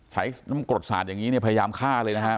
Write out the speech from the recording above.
ใช้น้ำกรดสาดอย่างนี้เนี่ยพยายามฆ่าเลยนะครับ